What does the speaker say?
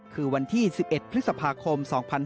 คือวันที่๑๑พฤษภาคม๒๕๕๙